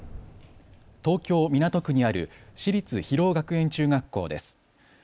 東京港区にある私立広尾学園中学校です。